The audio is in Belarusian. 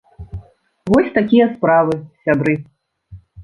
Вось такія справы, сябры.